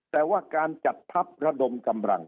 แต่ว่าการจัดทัพระดมกำลัง